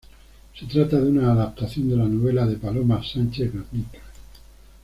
Se trata de una adaptación de la novela de Paloma Sánchez-Garnica.